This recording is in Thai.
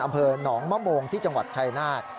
อำเภอหนองมะโมงที่จังหวัดชายนาฏ